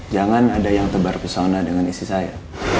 jangan ada yang tebar kesana dengan istri saya